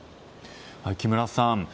木村さん